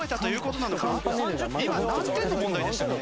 今何点の問題でしたっけ？